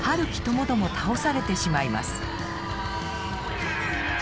ともども倒されてしまいます。